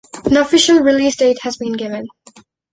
No official release date has been given.